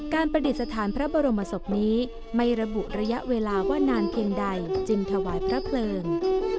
ประดิษฐานพระบรมศพนี้ไม่ระบุระยะเวลาว่านานเพียงใดจึงถวายพระเพลิง